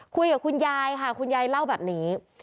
คุยกับคุณยายค่ะคุณยายเล่าแบบนี้